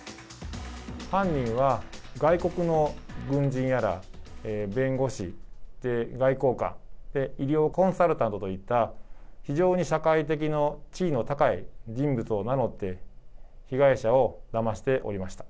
犯人は外国の軍人やら弁護士、外交官、医療コンサルタントといった非常に社会的地位の高い人物を名乗って、被害者をだましておりました。